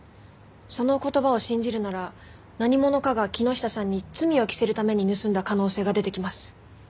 その言葉を信じるなら何者かが木下さんに罪を着せるために盗んだ可能性が出てきます。